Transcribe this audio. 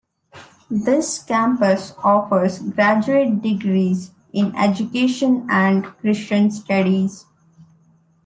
This campus offers graduate degrees in education and Christian studies.